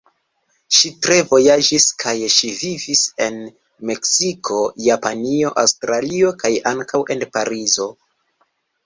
Ŝi tre vojaĝis kaj ŝi vivis en Meksiko, Japanio, Aŭstralio kaj ankaŭ en Parizo.